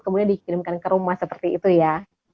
kemudian dikirimkan ke rumah seperti itu ya